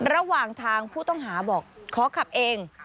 ระหว่างทางผู้ต้องหาบอกขอขับเอง